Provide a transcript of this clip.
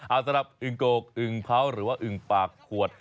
เอาสำหรับอึงโกกอึ่งเผาหรือว่าอึงปากขวด